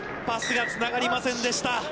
パスがつながりませんでした。